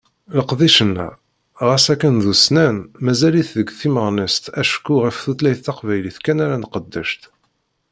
Leqdic-nneɣ ɣas akken d ussnan, mazal-it deg timmeɣnest acku ɣef tutlayt taqbaylit kan ara nqeddec.